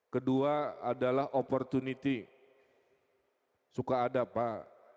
kedua adalah opportunity suka ada pak